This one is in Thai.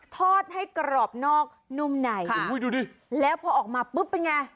ทอดให้กรอบนอกนุ่มในดูดิแล้วพอออกมาปุ๊บเป็นไง